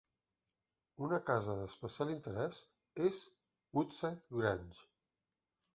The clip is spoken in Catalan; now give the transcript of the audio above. Una casa d'especial interès és Woodside Grange.